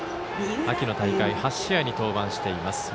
秋の大会８試合に登板しています。